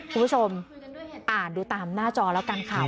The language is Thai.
คุณผู้ชมอ่านดูตามหน้าจอแล้วกันค่ะ